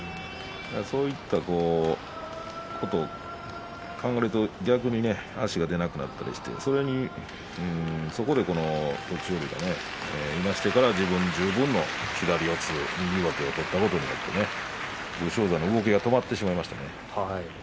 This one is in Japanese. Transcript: そういうことを考えると逆に足が出なくなったりしてそこで徳勝龍がいなしてから自分十分の左四つ右上手を取ったということで武将山の動きが止まってしまいましたね。